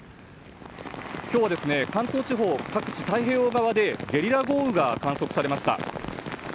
今日、関東地方各地太平洋側でゲリラ豪雨が観測されました。